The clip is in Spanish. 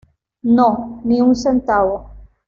No, ni un centavo!